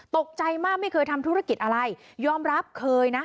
ตกใจมากไม่เคยทำธุรกิจอะไรยอมรับเคยนะ